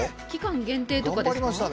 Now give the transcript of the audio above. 期間限定とかですか？